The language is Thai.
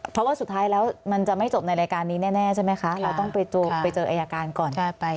เพราะว่าสุดท้ายแล้วมันจะไม่จบในรายการนี้แน่ใช่ไหมคะเราต้องไปเจออายการก่อน